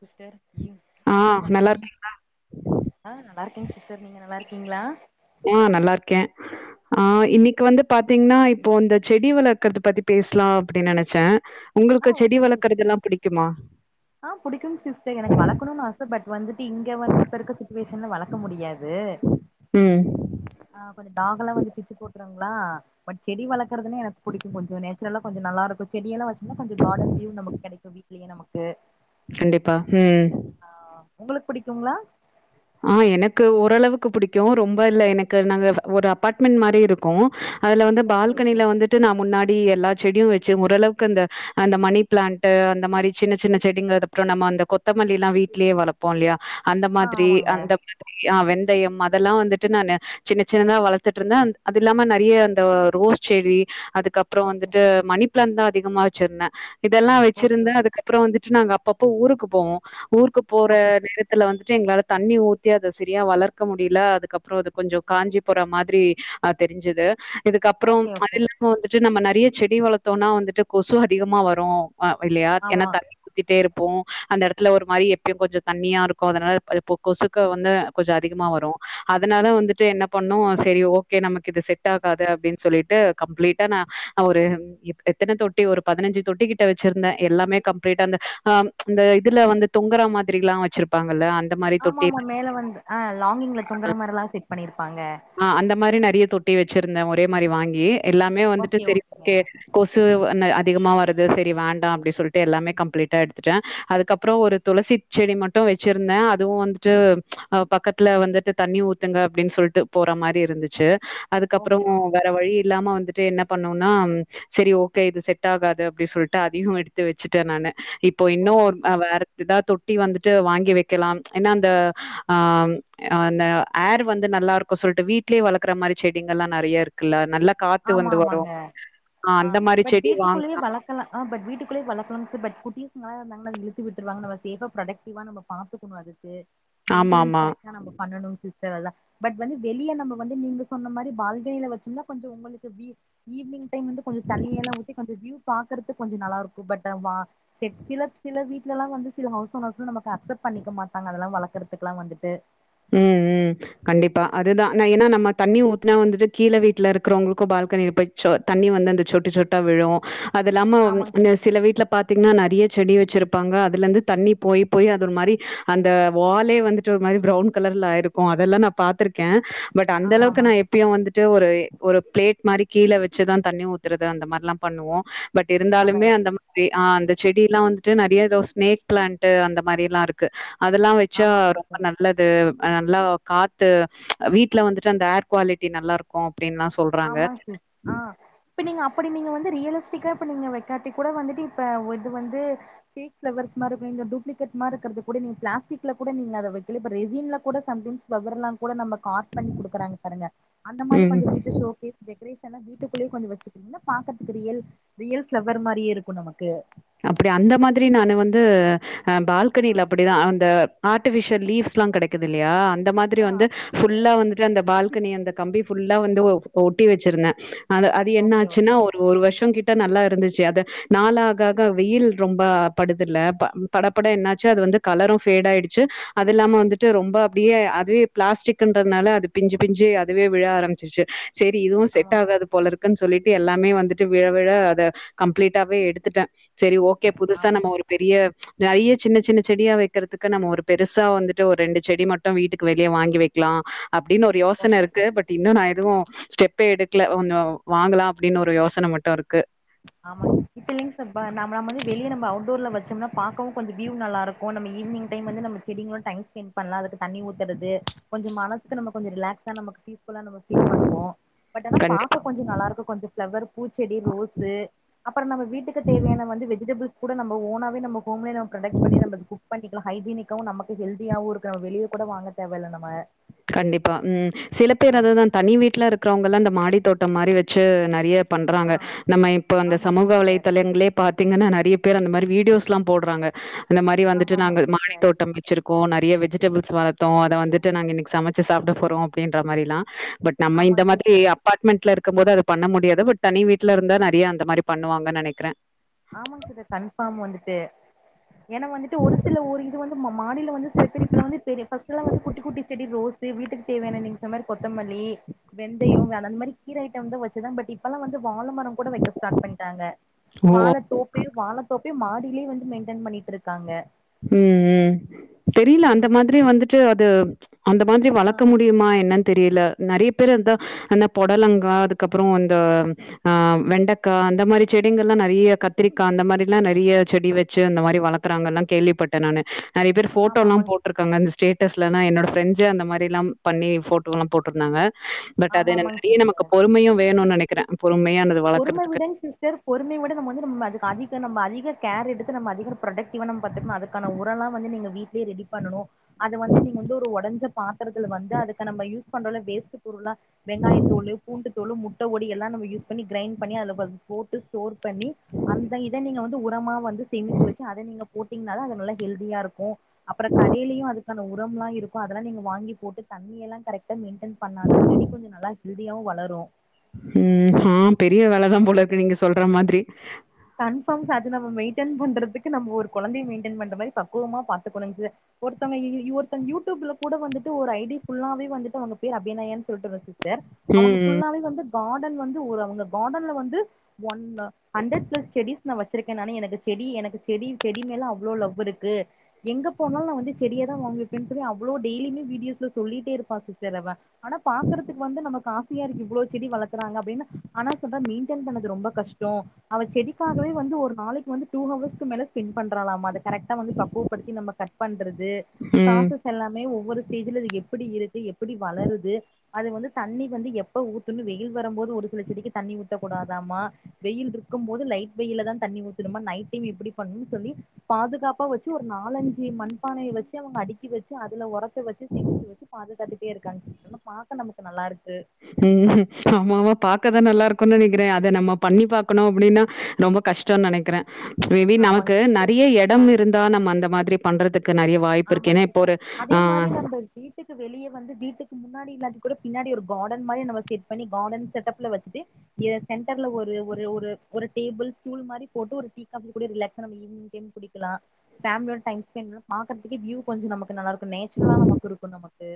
Sister ஆ மாலை நல்லா வணக்கம் இருக்கே ஆ நல்லா இருக்கே சிஸ்டர் நீங்க நல்லாருக்கீ கீங்களா ஆ நல்லா இருக்கே ஆ இன்னைக்கு வந்து பாத்தீங்கன்னா இப்போ இந்த செடி வளர்க்கறது பத்தி பேசலாம் அப்படின்னு நினைச்சேன் ஆ உங்களுக்கு செடி வளர்க்குறதுனா பிடிக்குமா ஆஹ் புடிக்கும் சிஸ்டர் எனக்கு வளர்கணும்னு ஆச பட் வந்துட்டு இங்க வந்து இப்ப இருக்க சுச்சு வேஷன்ல வலக்க முடியாது ம். அ ஆஹ் கொஞ்சோ தாகல்லாம் வந்து பிச்சு போட் ங்களா பட் செடி வளர்க்கறதுணே எனக்கு பிடிக்கூ கொஞ்சோ நேச்சரல கொஞ்சோ நல்ல இருக்கூ செடிலா வச்ச கொஞ்சோ கார்டன் வியு நம்பக்கு கெடைக்கூ வீட்லயே கண்டிப்பா ம் ஆ உங்களுக்கு பிடிக்குங்களா ஆஹ் எனக்கு ஓரளவுக்கு புடிக்கும் ரொம்ப இல்ல எனக்கு நாங்க ஒரு அபார்ட்மெண்ட் மாரி இருக்கூ அதுல வந்து ஓகே ஓகே பால்கனில வந்துட்டு நான் முன்னாடி எல்லா செடியும் வச்ச ஓர் அளவுக்குஅந்த மணி பிளான்ட் அந்த மாறி சின்ன சின்ன செடிங்க இருக்கு ல கொத்தமல்லி எல்லாம் வீட்டுலயே வளர்போம் இல்லையா ஆ ரி ஆமாங்க அந்த ப [unintelligible] யா வெந்தயம் அதெல்லாம் வந்துட்டு நான் சின்ன சின்னதா வளர்த்துட்டு இருந்தே அது இல்லாம நிறைய அந்த ரோஸ் செடி அது அப்புறோ ஓகே வந்துட்டு மணிப் மணி பிளான்ட் தான் அதிகமா வச்சுருந்தே இதெல்லாம் ஓகே வச்சிருந்தே அதுக்கு அப்புறோ வந்து நாங்க அப்ப அப்ப ஊருக்கு போவோ ஊருக்கு போற ஓகே நேரத்துல வந்து [unintelligible] தண்ணி ஊத்தி அத செரியா வளர்க்க முடியல அதுக்கப்புறோ அது கொஞ்சோ காஞ்சு போற மாதிரி ஆ தெரிஞ்சுது இதுக்கப்புறோ ஓகே அது ஓகே இல்லாம வந்துட்டு நம்ம ந நெறைய செடி வளர்த்தோனா வந்துட்டு கொசு அதிகமா வரூ அ இல்லையா ஆமா என்னா தண்ணி ஊத்திட்டே இருப் போ அந்த எடத்துல ஒரு மாரி எப்பயும் கொஞ்ச தண்ணியா இருக்கூ அதனால கொசுக்க வந்து கொஞ்ச அதிகமா வரூ அதனால வந்துட்டு என்ன பண்ணோ சேரி ஓகே நமக்கு இது செட்டாகாது அப்டின் சொல்லிட்டு கம்ப்ளீட்டா நா ஒரு எத்தன தொட்டி ஒரு பதினஞ்சு தொட்டி கிட்ட வச்சிருந்தே எல்லாமே கம்ப்ளீட்டா அந்த அ அந்த இதுல வந்து தொங்கர மாதிரி லா வச்சிருப்பாங்கல்ல அந்த மா ஆமா ஆமா மேல வந்து அ லாங்கிங்ல தொங்குற மாரி லா செட் பண்ணியிருக் ஆ அந்த மாரி நெறைய தொ ட்டி வச்சிருந்தே ஒரே மாரி வாங்கி எல்லாமே வந்துட்டு ஓகே சேரி ஓகேங்க ஓகே கொசு அதிகமா வருது செரி வேண்டா அப்டின் சொல்ட்டு எல்லாமே கம்ப்ளீட்டா எடுத்துட்டே அதுக்கப்புறோ ஒரு துளசி செடி மட்டும் வச்சிருந்தே அதுவு வந்துட்டு பக்கத்துல வந்துட்டு தண்ணி ஊத்துங்க அப்டின் சொல்ட்டு போற மாரி இருந்துச்சு அதுக்கப்புறோ ஓகே ஓகே வேற வழி இல்லாம வந்துட்டு என்ன பண்ணோனா சரி ஓகே இது செட்டாகாது அப்டி சொல்ட்டு அதயு எடுத்து வச்சுட்டே நானு இப்போ இன்னு ஓகே ஒரு வேற இதா தொட்டி வந்துட்டு வாங்கி வெக்கலா ஏன்னா அந்த ஆ அந்த ஏர் வந்து நல்லா இருக் கு சொல்ட்டு வீட்லே வளக்கற மாரி செடிங்கல்லா நறைய இருக்குல்ல நல்ல ஆமா ஆமாங்க ஆ மாரி பட் செடி வீட்டுக்குள்ளயே வாங்கலாம். வளக்கலா அ பட் வீட்டுக்குள்ளேயே வளக்கலாம்ஸ் பட் குட்டிஸ் [unintelligible] நம்மள இழுத்து விட்டுவாருங்க நம்ம சேஃபா ப்ரக்டிவா நம்ம பாத்துக்கணு அதுக்கு மெயின்டனன்ஸ் ஆமாமா. கரெக்டா நம்ப பண்ணனு [unintelligible] அதா பட் வந்து வெளியே நம்ம வந்து நீங்க சொன்ன மாரி பால்கனில வச்சோம்னா கொஞ்சோ உங்களுக்கு வீவ் ஈவ்னிங் டைய்ம் வந்து கொஞ்சோ தண்ணியெல்லா ஊத்தி கொஞ்சோ வீவ் பாக்கறதுக் கொஞ்சோ நல்லாருக்கு பட் வா செப் சிலப் சில வீட் ட்லலா வந்து சில ஹவுஸ் ஓனர்ஸ் நம்ப க்கு அக்செப்ட் பண்ணிக்க மாட்டாங்க அதல்லா வளக்கறதுக் த்துக்கல்லா வந்துட்டு ம் ம் கண்டிப்பா அதுதா ஏன்னா நம்ம தண்ணி ஊத்துனா வந்துட்டு கீழ வீட்டுல இருக்குறவங்களுக்கு பால்கனியில போய் சொ தண்ணி வந்து அந்தச் சொட்டுச் சொட்டா விழூ அதுல்லாம ஆமாங் சில வீட்டுல பாத்தீங்ன்னா நா அப்டியே செடி வச்சிருப்பாங்க அதுலருந்து தண்ணி போய் போய் அது ஒரு மாரி அந்த வால்லே வந்துட்டு ஒரு மாரி ப்ரவுன் கலர்ல ஆயிருக்கு அதெல்லா நா பாத்துருக்கே பட் ஆமா அந்தளவுக்கு நா ஆமாங் எப்பயு வந்துட்டு ஒரு பிளேட் மாரி கீழ வச்சுத்தா தண்ணி ஊத்துறது அந்த மாரிலா பண்ணுவோ பட் அதா இருந்தாலுமே அதா அந்த மாரி ஆ அந்த செடில்லா வந்து ட்டு நறைய தோ ஸ்னேக் பிளான்ட்டு அந்த மாரிலா இருக்கு அதெல்லா வச்சா ஆமா ஆமாங் சார் ரொம்ப நல்லது [unintelligible] அ நல்லா காத்து வீட்ல வந்துட்டு அந்த ஏர் குவாலிட்டி நல்லாருக்கு ஆமா சிஸ் ஆஹ் இப்ப நீங்க அப்புடி நீங்க வந்து ரியலிஸ்டிக்கா இப்ப நீங்க கட்டிகூட வந்துட்டு இப்ப இது வந்து பீக்பிளவர்ஸ் மாதிரி இரு டூப்ளிகேட் மாதிரிக் கூட பிளாஸ்டிக்ல கூட நீங்க அத வைக்கல பட் வெயில்ல கூட சம்டைம்ஸ் ப்லவர்லா கூட நம்ம பார்க் பண்ணி குடுக்கறாங்க பாருங்க அந்த மாதிரி கொஞ்சோ ம் வீட்ட சுத் பூ டெகரேஷன்ன வீட்டுக்குள்ளயு கொஞ்சோ வச்சுக்கோங்க பாக்கறதுக்கு ரியல் ரியல்ஃபிளவர் மாரியே இருக்கு நமக்கு அப்புடி அந்த மாதிரி நானு வந்து அ ஆ பால்கனில அப்படிதா அந்த ஆ [unintelligible] லீவ்ஸ்லா கெடைக்குது இல்லையா அந்த மாதிரி ஆ வந்து ஆமாங்க சிஸ்டர் ஃபுல்லா வந்துட்டு அந்த பால் க்கு நீ அந்த கம்பி ஃபுல்லா வந்து ஒட்டி வச்சிருந்தே அ அது என்ன ஓகே ஆச்சுன்னா ஓகே ஒரு ஒரு வருஷோ கிட்ட நல்லா இருந்துச்சு அது நாலாக க்காக வெயில் ரொம்ப படுதுல படப்பட என்னாச்சு அது வந்து கலரும் பேட் ஆயிடுச்சு, அது இல்லாம வந்துட்டு ரொம்ப அப்படியே அதுவே பிளாஸ்டிக்ன்றதுனால அது பிஞ்சு பிஞ்சு அதுவே விழ ஆரம்பிச்சிச்சு. செரி இதுவும் ஆமா செட் ஆகாது போல இருக்கு இருக்குனு சொல்லிட்டு எல்லாமே வந்துட்டு விழ விழ அதை கம்ப்ளீட்டாவே எடுத்துட்டேன். சரி ஓகே புதுசா ஆமா நம்ம ஒரு பெரிய நிறைய சின்ன சின்ன செடியா வைக்கிறதுக்கு நம்ம ஒரு பெருசா வந்துட்டு ஒரு ரெண்டு செடி மட்டும் வீட்டுக்கு வெளியே வாங்கி வைக்கலாம் அப்படின்னு ஒரு யோசனை ஓகே இருக்கு பட் இன்னும் நான் அதுவும் ஸ்டெப்பே கொஞ்சோ வாங்கலாம் அப்படின்னு ஒரு யோசனை மட்டும் இருக்கு. ஆமா இப்ப இல்லைங்க சப்பா நம நம வந்து வெளிய நம்ம அவுடோர்ல வச்சோம்னா பாக்கவும் கொஞ்சம் வியூ நல்லா இருக்கும் நம்ம ஈவினிங்டைம் வந்து நம்ம செடிங்களோட டைம் ஸ்பெண்ட் பண்ணலாம் அதுக்கு தண்ணி ஊத்துறது கொஞ்ச மனசுக்கு நம்ம கொஞ்ஞம் ரிலாகஸா நம் நம பீல் பண்ணுவோம் பட்ஆனா கண்டிப்பா. பாக்க கொஞ்சம் நல்லா இருக்கும். கொஞ்ச பிளவர், பூச்செடி, ரோஸ் அப்புறம் நம்ம வீட்டுக்கு தேவையான வந்து வெஜ் வெஜிடெபிள்ஸ் கூட நம்ம ஓனாவவே நம்ப [unintelligible] கனக்ட் பண்ணி நாம்ப புக்பண்ணிக்கலாம ஹஜீன் நமக்கு ஹெல்தியாவும் இருக்கும் வெளியே கூட வாங்க தேவ இல்லலை நம்ம கண்டிப்பா உம் சில ஆ பேர் அததான் தனி வீட்டுல இருக்கறவங்கல்லாம் இந்த மாடி தோட்டம் மாதிரி வச்சு நிறைய ஆ பண்றாங்க நம்ம இப்ப அந்த ஆமாங்க சமூக சிஸ்டர் வலைதளங்களே பார்த்து பத்தீங்கன்னா நிறைய பேர் அந்த மாதிரி வீடியோஸ்லாம் போடுறாங்க. இந்த மாதிரி வந்துட்டு ஆமா ஆமாங்க நாங்கள் மாடி சிஸ்டர் தோட்டம் வச்சிருக் நிறைய வெஜிடபிள்ஸ் வளத்தோம் அத வந்துட்டு நாங்க இன்னிக்கு சமைச்சு சாப்பிட போறோம் அப்படின்ற மாதிரிலாம் பட் நம்ம இந்த ஆமாங்க மாதிரி சிஸ்டர் அபார்ட்மெண்ட்ல இருக் க்கும் போது பண்ண முடியாது பட் தனி வீட்ல இருந்தா நெறய அந்த மாரி பண்ணுவாங்கன்னு நெனைக்கிறே ஆமாங்க சார் கன்ஃபார்ம் வந்துட்டு ஏன்னா வந்துட்டு ஒரு சில ஊர் இது வந்து மா மாடியில வந்து சில பேர் இப்பல்லா வந்து பெரிய பஸ்ட்லா வந்து குட்டி குட்டி செடி ரோஸ்ஸு வீட்டுக்கு தேவையான நீங்க சொன்ன மாரி கொத்தமல்லி வெந்தையோ வேரந்த மாரி கீரகட்டு வச்சு தா பட் இப்பெல்லா வந்து வால மரம் கூட வைக்க ஸ்டார்ட் பண்ட்டாங்க ஓ! வாழ தோப்பே வாழ தோப்பு [unintelligible] மாடிலே வந்து மெயின்டென் பண்ணிட்டுருக்காங்க உம் உம் தெரியல அந்த ம் மாதிரி வந்துட்டு அது அந்த மாதிரி ஆ வளக்க முடியுமா என்னன் தெரியல நெறைய பேர் இருந்த அந்த பொடலங்கா அதுக்கப்பறோ அந்த ஆஹ் வெண்டக்கா அந்த மாரி செடிங்கள்லா நெறைய கத்திரிக்கா அந்த மாதிரிலா நெறைய செடி வச்சு அந்த மாரி வளக்குறாங்கல்லா கேள்விப்பட்டே நானு நறைய பேரு ஃபோட்டோல்லா ஆமாமாங் போட்ருக்காங்க அந்த ஸ்டேட் பேஸ்லனா என்னோட ஃப்ரெண்ட்ஸ்ஸு அந்த மாரில்லா பண்ணி ஃபோட்டோலா போட்ருந்தாங்க பட் அது என்ன ஆமாமாங் நெறைய சிஸ் நமக்கு பொறுமையு வேணுனு நெனை க்ற பொறுமை உடன் சிஸ்டர் பொறுமையோட நம்ம வந்து நம் அதுக்கு அதிக நம்ம அதிக கேர் எடுத்து நம்ம அதிக ப்ரொடக்டிவா நம்ம பாத்துக்கனோ அதுக்கான உரோலா வந்து நீங்க வீட்லயே ரெடி பண்ணணோ அது வந்து நீங்க வந்து ஒரு ஒடஞ்ச பாத்தரத்துல வந்து அதுக்கு நம்ம யூஸ் இது பண்றோல வேஸ்ட்டு பொருளா வெங்காயத்தோலு பூண்டு தோலு முட் அ ஓடி எல்லா நம்ம யூஸ் பண்ணி கிரைய்ண்ட் பண்ணி அதுல ப போட்டு ஸ்டோர் பண்ணி அந்த இத நீங்க வந்து உரமா வந்து சேமிச்சு வெச்சு அத நீங்க போட்டிங்னாதா அது நுல்ல ஹெல்தியாருக்கு அப்பறக்கடைலையு அதுக்கான உரம்லா இருக்கு அதெல்லா வாங்கி போட்டு தண்ணியெல்லா கரெக்ட் மெயின்டெய்ன் பண்ணாதோ செடி கொஞ்சோ நல்லா ஹெல்தியாவு வளரு ம் ஆ பெரிய வேலதா போலருக்கு நீங்க சொல்றா மாதிரி கன்ஃபாம் சா அது நம மெய்ன்ட்டன் பண்றதுக்கு நம்ம ஒரு கொழந்தய மெயின்டென் பண்ற மாரி பக்குவமா பாத்துக்கணுங்க ஒருத்தவங்க இ இ யூ ஒருத்தவங்க யூ டியூப்ல கூட வந்துட்டு ஒரு ஐ டி ஃபுல்லாவே வந்துட்டு அவுங்க பேரு அபிநயானு சொல்லிட்டு பெயர் அவுங்க ம் ம் ஃபுல்லாவே வந்து கார்டன் வந்து ஒரு அவுங்க காடன்ல வந்து ஒன் அ அந்த செடிஸ் நா வச்சிருக்கே நானு எனக்கு செடி எனக்கு செடி செடி மேல அவ்ளோ லவ் இருக்கு எங்க போனாலு நா வந்து செடியதா வாங்கிவப்பேன்னு சொல்லி அவ்வளோ டெய்லியுமே வீடியோஸ்ல சொல்லிட்டே இருப்பா சிஸ்டர் அவ ஆனா பாக்குறதுக்கு வந்து நம்மக்காஸ் இவ்ளோ செடி வளக்குருறாங்க அப்படின்னு ஆனா சொல்றா மெயின்டென் பண்றது ரொம்ப கஷ்டோ அவ செடிக்காகவே வந்து ஒரு நாளைக்கு வந்து டூ ஹவர்ஸ்க்கு மேல ஸ்பெண்ட் பண்றாலாமா அத கரெக்டா வந்து பக்குவப்படுத்தி நம்ம கட் பண்றது ம் ப்ராசஸ் எல்லாமே ஒவ்வொரு ஸ்டேஜுல அது எப் எப்புடி இருக்கு எப்படி வளருது அது வந்து தண்ணி வந்து எப்ப ஊத்துனோ வெயில் வரம் போது ஒரு சில செடிக்கு தண்ணி ஊத்தக்கூடாதாமா வெயில்ருக் இருக்கும் போது லைட் வெய்ல தா தண்ணி ஊத்தணுமா நைட் டைம் எப்டி பண்ணு சொல்லி பாதுகாப்பா வெச்சு ஒரு நாலஞ்சு மண்பானய வெச்சு அவுங்க அடுக்கி வெச்சு அதுல ஒரத்த வெச்சு சேமிச்சு வெச்சு பாதுகாத்துட்டே இருக்காங்க சிஸ்டர் பாக்க நமக்கு நல்லா இருக்கு உம் ஆமா ஆமா பாக்கதா நல்லா இருக்குன் நெனைக்கிறே அத நம்ம பண்ணி பா்கக்கணோ அப்டீனா ரொம்ப கஷ்டோனு நெனைக்குற மேபி ஆமாங் நமக்கு நறிய எடம் இருந்தா நம்ம அந்த மாதிரி பண்றதுக் ஆமாங் சிஸ்டர் அதே மாரி நம்ப வீட்டுக்கு வெளியே வந்து வீட்டுக்கு முன்னாடி இல்லாட்டி கூட பின்னாடி ஒரு காடன் மாரி நம்ம செட் பண்ணி காடன் செட்டப்ல வச்சுட்டு இங்கே செண்ட்டர்ல ஒரு ஒரு ஒரு ஒரு டேபுள் ஸ்டூலு மாரி போட்டு ஒரு டீ காப்பி கூட ரிலாக்ஸா நம்ம ஈவ்னிங் டைம் குடிக்குலா ஃபேம்லோட டைம் ஸ்பென்லா பாக் இருக்கற்துக்கு வியூ கொஞ்சு நமக்கு நல்லார்க்கு நேச்சுரலா நமுக்கு இருக்கு நமக்கு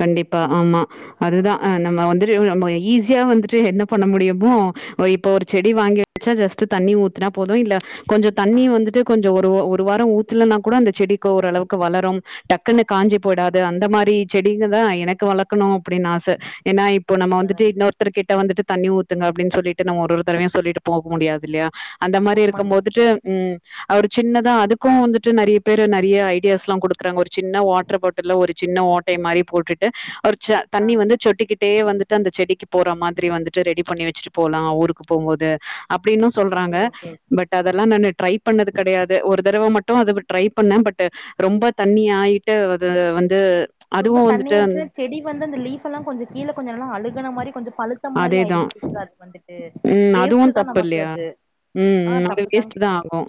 கண்டிப்பா ஆமா அதுதா ஆ அ நம்ம வந்துரு நம்மோ ஈஸ் சியா வந்துட்டு என்ன பண்ண முடியுமோ ஒ இப்ப ஒரு செடி வாங்கி வச்சா ஜஸ்ட்டு தண்ணி ஊத்துனா போது இல்ல கொஞ்சோ தண்ணி வந்துட்டு கொஞ்சோ ஒரு ஒ ஒரு வாரோ ஊத்துலனா கூட அந்த செடிக்கு ஓரளவுக்கு வளரும் டக்குன்னு காஞ்சி போய்டாது அந்த மாரி செடிங்க தா எனக்கு வளக்கணோ அப்புடின் ஆச ஏனா இப்போ நம்மோ வந்துட்டு அததாங் இன்னொருத்தருகிட்ட வந்துட்டு தண்ணி ஊத்துங்க அப்டின் சொல்லிட்டு நம்ம ஒருஒரு தடவயு சொல்லிட்டு போகு முடியாது இல்லயா அந்த ஆமா மாரி ஆமாங் இருக்கமோதுட்டு சிஸ்டர் உம் அஹ் ஒரு சின்னதா அதுக்கு வந்துட்டு நெறியா பேரு நெறியா ஐடியாஸ்லா குடுக்குறாங்க ஒரு சின்ன வாட்ரு பாட்டில்ல ஒரு சின் தே மாரி போட்டுட்டு ஒரு ச ஆ தண்ணி வந்து சொட்டிக்கிட்டே வந்துட்டு அந்த செடிக்கு போற மாதிரி வந்துட்டு ரெடி பண்ணி வ ச்சுட்டு போலா ஊருக்கு போமோது அப்டின்னு சொல்றாங்க ஓகே ஓகே பட் அதெல்லா நானு ட்ரை பண்ணது கெடயாது ஒரு தடவ மட் டு அத புல் ட்ரை பண்ண பட்டு ரொம்ப தண்ணி ஆயிட்டு அது வந்து ரொம்ப அதுவு வந்துட்டு தண்ணியார்ச்னா செடி வந் து அந்த லீஃப் எல்லா கொஞ்ச கீழ கொஞ்ச நல்லா அழு அழுகுன மாரி கொஞ்சோ பழுத்த மாரி ஆய்ரு அதேதா அத் வந்துட்டு ம் அதுவு வேஸ்ட்டுதா தப்பு நம்க்கு இல்லையா அது ம் ஆஹ் ம் அது தப்புதங் வேஸ்ட் தா ஆகு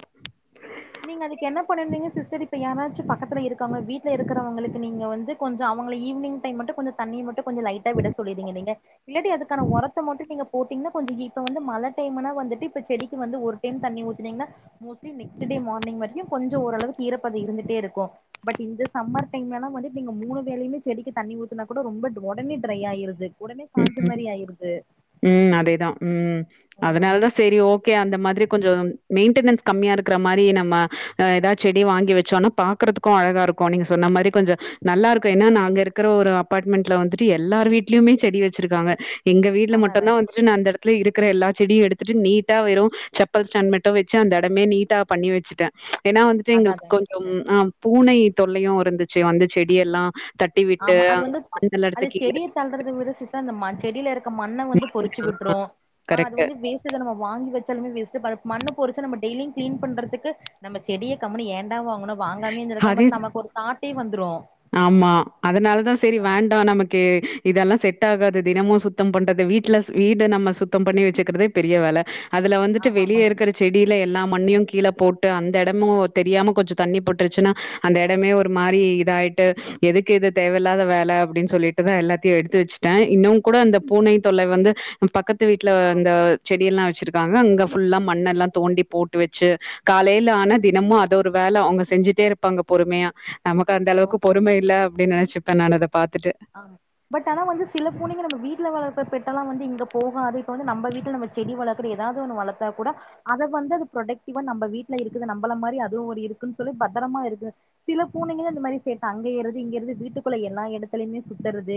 நீங்க அதுக்கு என்னப் பண்ணுணீங்க சிஸ்டர் இப்ப யாராச்சு பக்கத்துல இருக்காங்கள இருக்குறவங்களுக்கு நீங்க வந்து கொஞ்சோ அவுங்கள ஈவ்னிங் டைம் மட்டு கொஞ்ச தண்ணி மட் டு கொஞ்சோ லைட்டா விட சொல்லிதீங்க நீங்க இல்லட்டி அதுக்கான ஒரத்த மட்டு நீங்க போட்டீங்ன்னா கொஞ்சு இப்ப வந்து மழ டைமுனா வந்துட்டு இப்ப செடிக்கு வந்து ஒரு டைம் தண்ணி ஊத்துனீங்ன்னா மோஸ்ட்லி நெக்ஸ்ட்டு டே மார்னிங் வரியு கொஞ்சோ ஓரளவுக்கு ஈரப்பத இருந்துட்டே இருக்கு பட் இந்த சம்மர் டைம்லலா வந்து நீங்க மூணு வேலையுமே செடிக்கு தண்ணி ஊத்துனா கூட ரொம்பட் ஒடனே ட்ரை ஆயிருது ஒடனே காஞ்ச மாரி ஆயிருது உம்ம் அதேதா உம்ம் ம் அதனாலதா சேரி ஓகே அந்த மாதிரி கொஞ்சோம் மெயின்ட்டனன்ஸ் கம்மியா இருக்ற மாரி நம்ம அஹ் எதா செடி வாங்கி வச்சோனா பாக்குறதுக்கு அழகா இருக்கு நீங்க சொன்ன மாரி கொஞ்சோ நல்லா இருக்கு ஏனா நாங்க இருக்கிற ஒரு அபாட்மெண்ட்ல வந்துட்டு எல்லார் வீ்ட்லூமே செடி வச்சிருக்காங்க எங்க வீட்ல அதா மட்டு்ந்தா அதாங் வந்துட்டுதான் வந்துட்டு நா சிஸ்டர் அந்த எடத்துலே இரு க்கிற எல்லா செடியு எடுத்துட்டு நீட்டா வெறு செப்பல் ஸ்டாண்ட் மட்டு வச்சா அந்த எடமே நீட்டா பண்ணி வச்சுட்ட ஏனா வந்துட்டு அதா எங்கள்க்கு அதாங் சிஸ்டர் கொஞ்சோம் ஆம் பூனை தொல்லையும் இருந்துச்சு வந்து செடி எல்லா ஆமா அது வந்து அது செடிய தள்றது வி ஓகே சிஸ்டர் அந்த செடியில இருக்க மண்ண வந்து பொறிச்சு விட்டு் அ அது கரெக்ட்டு. வந்து நம்ம வாங்கி வச்சு வச்சாலுமே வேஸ்டு பட் அதுக்கு மண்ண பொரிச்சு டெய்லியும் கிலீன் பண்றது நம் செடிய கம்மினு ஏண்டா வாங்கனும் வாங்காமே இருக்க அதே மார நமக்கு ஒரு தாட்டே வந்துரும் ஆமா அதனால் தான் செரி வேண்டாம் நமக்கு இதெல்லா செட் ஆகாது தினமும் சுத்தம் பண்றது வீட்ல வீடு நம்ம சுத்தம் பண்ணி வச்சுக்கிறதே பெரிய வேல அதுல வந்துட்டு ஆமா வெளியே ஆமா இருக்கற செடியில எல்லா மண்ணையும் கீழே போட்டு அந்த இடமும் தெரியாம கொஞ்சோ தண்ணி பட்டுருச்சுன்னா அந்த இடமே ஒரு மாரி இதாயிட்டு யிட்டு எதுக்கு எது தேவையில்லாத வேலை அப்டின் சொல்லிட்டுதான் எல்லாத்தையும் எடுத்து வச்சுட்டேன் இன்னும் கூட அந்த பூனை தொல் லை வந்து பக்கத்து த்துவீட்ல ஆ அந்த செடிய எல்லா ச்சிருக்காங்க அங்க ஃபுல்லா மண்ணல்லா தோண்டி போட்டு வச்சு காலைல ஆனா தினமு அத ஒரு வேல அவுங்க செஞ்சுட்டே இருப்பாங்க பொறுமையா நமக்கு அந்த அளவுக்கு பொறும இல்ல அப்டின் நெனச்சி [unintelligible] ஆ பட் ஆனா வந்து சில பூனைங்க நம்ம வீட்ல வளப்ப பெட் டெல்லா வந்து இங்க போகாது இப்ப வந்து நம்ப வீட்ல நம்ம செடி வளக்குற ஏதாவ்து ஒன்னு வளத்தாக் கூட அத வந்து அத ப்ரொடக்டிவா நம்ப வீட்ல இருக்குது நம்பள மாரி அதுவு ஒரு இருக்குன் சொல்லி பத்தரமா இருக்கு சில பூனைங்கதா இந்த மாரி சேட்ட அங்க ஏர்றது இங்க ஏர்றது வீட்டுக்குள்ள எல்லா எடத் த்லைய்மே சுத்தற து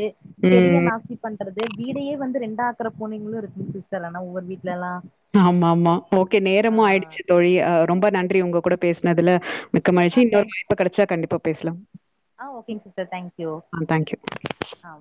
செடிய ம். நாஸ்த்தி பண் கறது வீடையே வந்து ரெண்டா ஆக்கர பூனைங்களும் இருக்கு சிஸ்டர் ஆன ஒவ்வொரு வீட்ல எல்லாம் ஆமா ஆமா ஓகே நேரமும் ஆயிடுச்சு தோழி அ ரொம்ப நன்றி உங்க கூட பேசினதுல மிக்க மகிழ்ச்சி ஆ இன்னொ தேங்க் வாய்ப்பு கெடைச்ச கண்டிப்பா பேசலாம் ஆ ஓகேங்க சிஸ்டர் தேங்க்யூ ஆ தேங்க்யூ. ஆ